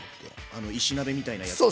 あの石鍋みたいなやつ？